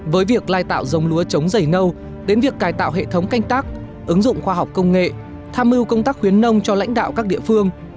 với việc lai tạo dòng lúa chống dày nâu đến việc cài tạo hệ thống canh tác ứng dụng khoa học công nghệ tham mưu công tác khuyến nông cho lãnh đạo các địa phương